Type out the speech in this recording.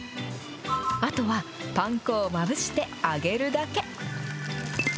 あとは、パン粉をまぶして揚げるだけ。